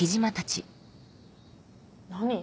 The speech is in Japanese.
何？